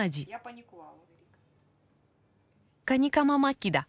カニカマ巻きだ。